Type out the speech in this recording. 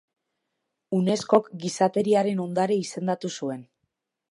Unescok Gizateriaren Ondare izendatu zuen.